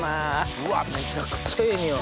うわめちゃくちゃええ匂い！